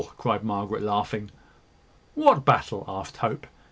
cried Margaret, laughing. "What battle?" asked Hope.